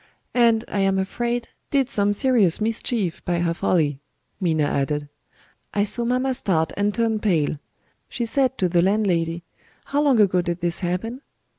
"And, I am afraid, did some serious mischief by her folly," Minna added. "I saw mamma start and turn pale. She said to the landlady, 'How long ago did this happen?'